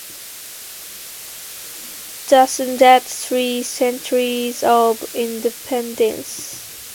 Thus ended three centuries of independence.